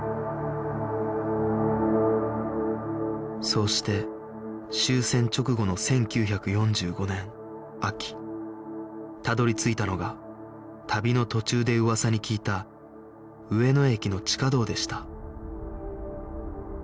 そうして終戦直後の１９４５年秋たどり着いたのが旅の途中で噂に聞いた上野駅の地下道でした